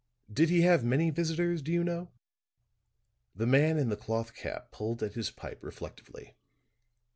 "Did he have many visitors, do you know?" The man in the cloth cap pulled at his pipe reflectively.